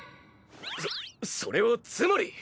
そそれはつまり。